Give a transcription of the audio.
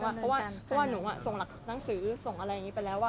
เพราะว่าหนูส่งหนังสือส่งอะไรอย่างนี้ไปแล้ว